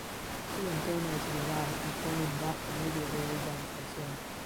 Su entorno es rural y con un bajo medio de urbanización.